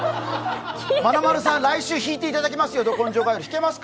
まなまるさん、来週弾いていただきますよ、弾けますか。